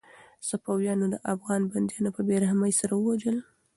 صفویانو افغان بندیان په بې رحمۍ سره ووژل.